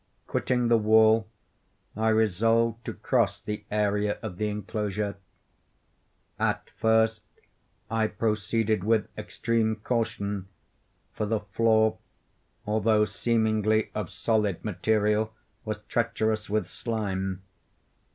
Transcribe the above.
Quitting the wall, I resolved to cross the area of the enclosure. At first I proceeded with extreme caution, for the floor, although seemingly of solid material, was treacherous with slime.